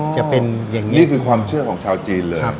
มันคือไอความเชื่อของชาวจีนเลย